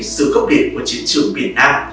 sự gốc điện của chiến trường việt nam